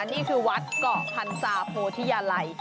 นี่คือวัดเกาะพันศาโพธิยาลัย